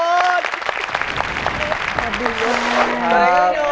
สวัสดีครับ